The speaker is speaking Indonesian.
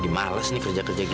ya allah pukulnya sepuluh jam ya